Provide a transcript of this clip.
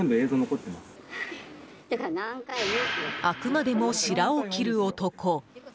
あくまでもしらを切る男。